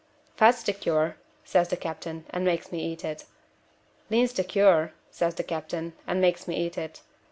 'Fat's the cure,' says the captain, and makes me eat it. 'Lean's the cure,' says the captain, and makes me eat it.